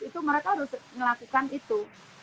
itu mereka harus melakukan itu